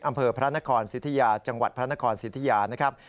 อำเภอพระนครสิทธิยาจังหวัดพระนครสิทธิยานะครับ